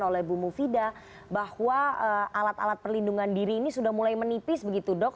oleh bu mufida bahwa alat alat perlindungan diri ini sudah mulai menipis begitu dok